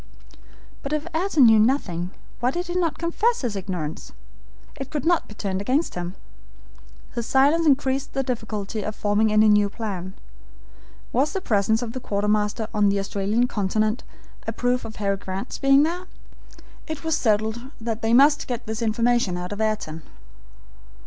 But if Ayrton knew nothing, why did he not confess his ignorance? It could not be turned against him. His silence increased the difficulty of forming any new plan. Was the presence of the quartermaster on the Australian continent a proof of Harry Grant's being there? It was settled that they must get this information out of Ayrton.